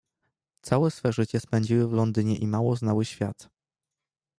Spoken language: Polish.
"Całe swe życie spędziły w Londynie i mało znały świat."